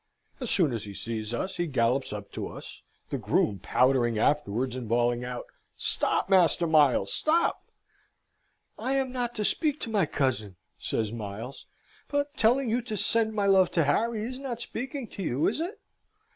As soon as he sees us, he gallops up to us, the groom powdering afterwards and bawling out, "Stop, Master Miles, stop!" "I am not to speak to my cousin," says Miles, "but telling you to send my love to Harry is not speaking to you, is it?